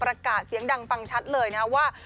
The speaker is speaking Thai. ประกาศเสียงดังฟังชัดเลยนะว่า